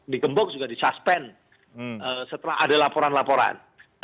di gembok juga di suspend setelah ada laporan laporan